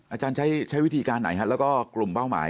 อาจารย์ใช้วิธีการไหนแล้วก็กลุ่มเป้าหมาย